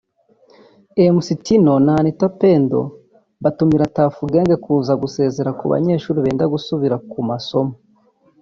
Mc Tino na Anita batumira Tuff Gang kuza gusezera ku banyeshuri benda gusubira ku masomo